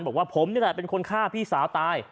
บอกว่าผมนี่แหละเป็นคนฆ่าพี่สาวตาย